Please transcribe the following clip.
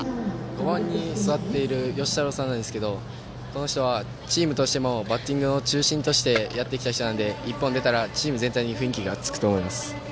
５番に座っている慶太朗さんなんですけどこの人はチームとしてもバッティングの中心としてやってきた人なので一本出たら、チーム全体に雰囲気が出ると思います。